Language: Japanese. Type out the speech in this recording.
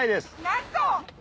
なんと！